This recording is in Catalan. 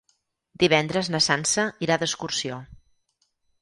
Divendres na Sança irà d'excursió.